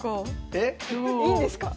えっ⁉いいんですか？